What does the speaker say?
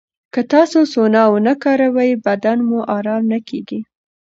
که تاسو سونا ونه کاروئ، بدن مو ارام نه کېږي.